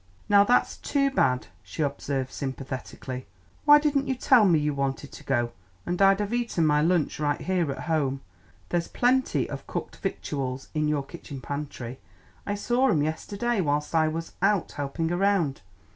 "Now that's too bad," she observed sympathetically. "Why didn't you tell me you wanted to go, and I'd have eaten my lunch right here at home. There's plenty of cooked victuals in your kitchen pantry; I saw 'em yesterday whilst I was out helping around.